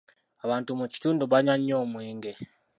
Abantu mu kitundu banywa nnyo omwenge.